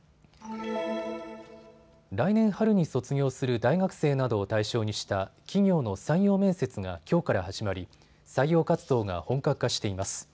来年春に卒業する大学生などを対象にした企業の採用面接がきょうから始まり採用活動が本格化しています。